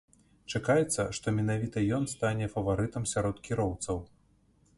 Чакаецца, што менавіта ён стане фаварытам сярод кіроўцаў.